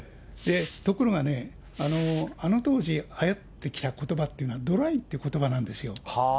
ところがね、あの当時、流行ってきたことばっていうのはドライっていうことばなんですよ。